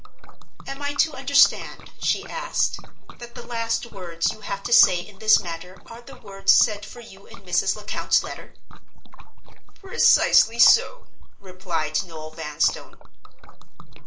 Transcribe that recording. "Am I to understand," she asked, "that the last words you have to say in this matter are the words said for you in Mrs. Lecount's letter!" "Precisely so," replied Noel Vanstone.